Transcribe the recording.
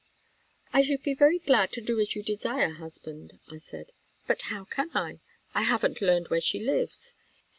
"I should be very glad to do as you desire, husband," I said, "but how can I? I haven't learned where she lives.